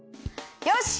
よし！